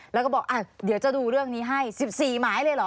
แล้วก็บอกเดี๋ยวจะดูเรื่องนี้ให้๑๔หมายเลยเหรอ